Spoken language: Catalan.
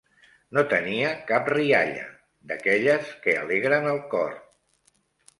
No tenia cap rialla, d'aquelles que alegren el cor